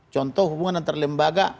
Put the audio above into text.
contoh hubungan antar lembaga